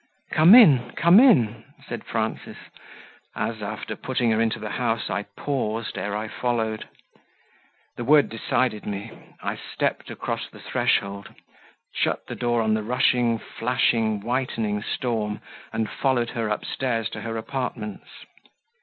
"Come in! come in!" said Frances, as, after putting her into the house, I paused ere I followed: the word decided me; I stepped across the threshold, shut the door on the rushing, flashing, whitening storm, and followed her upstairs to her apartments.